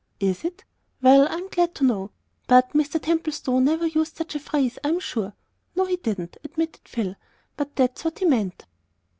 "Is it? Well, I'm glad to know. But Mr. Templestowe never used such a phrase, I'm sure." "No, he didn't," admitted Phil; "but that's what he meant."